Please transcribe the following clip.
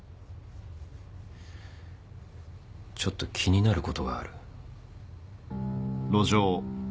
ちょっと気になることがある。